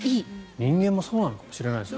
人間もそうなのかもしれないですね。